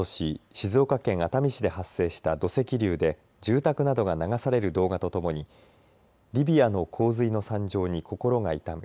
静岡県熱海市で発生した土石流で住宅などが流される動画とともにリビアの洪水の惨状に心が痛む。